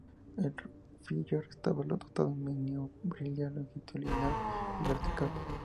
El Flyer estaba dotado de maniobrabilidad longitudinal y vertical.